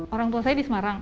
orang tua saya di semarang